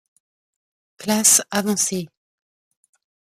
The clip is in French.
Classes avancées.